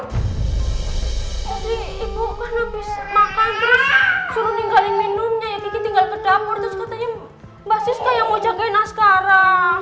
tadi ibu kan habis makan terus suruh ninggalin minumnya ya kiki tinggal di dapur terus katanya mbak sis kayak mau jagain askara